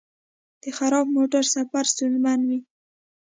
د خراب موټر سفر ستونزمن وي.